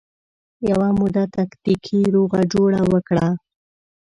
یوه موده تکتیکي روغه جوړه وکړه